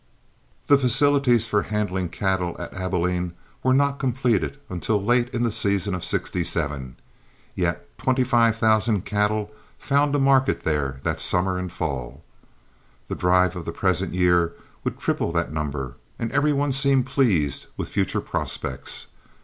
The facilities for handling cattle at Abilene were not completed until late in the season of '67, yet twenty five thousand cattle found a market there that summer and fall. The drive of the present year would triple that number, and every one seemed pleased with future prospects.